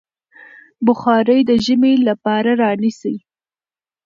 بخارۍ د ژمي لپاره رانيسئ.